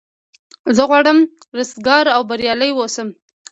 زه غواړم رستګار او بریالی اوسم.